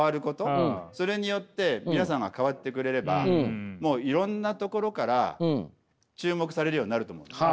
それによって皆さんが変わってくれればもういろんなところから注目されるようになると思うんです。